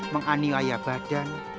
mengani laya badan